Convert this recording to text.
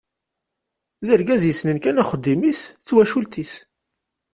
D argaz yessnen kan axeddim-is d twacult-is.